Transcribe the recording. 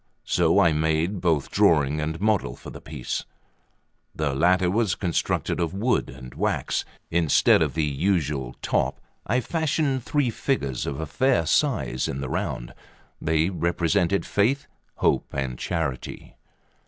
So I made both drawing and model for the piece. The latter was constructed of wood and wax. Instead of the usual top, I fashioned three figures of a fair size in the round; they represented Faith, Hope, and Charity.